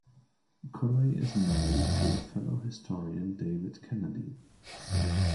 Colley is married to fellow historian David Cannadine.